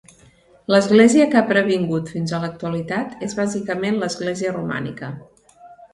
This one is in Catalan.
L'església que ha pervingut fins a l'actualitat és bàsicament l'església romànica.